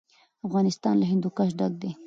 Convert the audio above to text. افغانستان له هندوکش ډک دی.